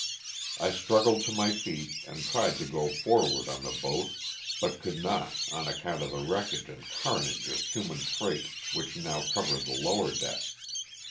I struggled to my feet and tried to go forward on the boat, but could not on account of the wreckage and carnage of human freight which now covered the lower deck.